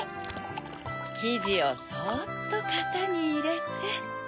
きじをそっとかたにいれて。